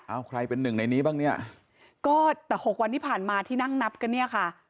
เอาใครเป็นหนึ่งในนี้บ้างเนี่ยก็แต่หกวันที่ผ่านมาที่นั่งนับกันเนี่ยค่ะ